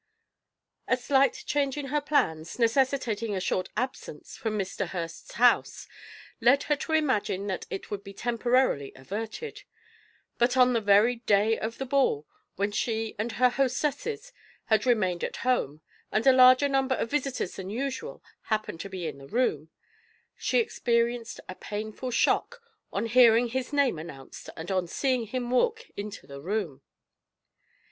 A slight change in her plans, necessitating a short absence from Mr. Hurst's house, led her to imagine that it would be temporarily averted; but on the very day of the ball, when she and her hostesses had remained at home, and a larger number of visitors than usual happened to be in the room, she experienced a painful shock on hearing his name announced and on seeing him walk into the room.